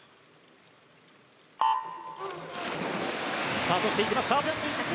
スタートしていきました。